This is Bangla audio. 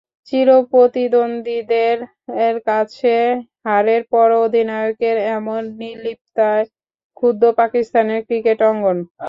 চিরপ্রতিদ্বন্দ্বীদের কাছে হারের পরও অধিনায়কের এমন নির্লিপ্ততায় ক্ষুব্ধ পাকিস্তানের ক্রিকেট অঙ্গন।